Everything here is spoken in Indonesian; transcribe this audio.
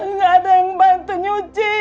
nggak ada yang bantu nyuci